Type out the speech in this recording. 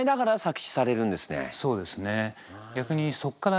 そうですね。